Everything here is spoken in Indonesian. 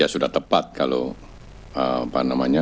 sudah tepat kalau apa namanya